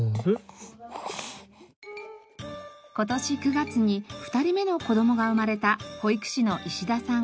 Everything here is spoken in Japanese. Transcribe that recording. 今年９月に２人目の子どもが生まれた保育士の石田さん。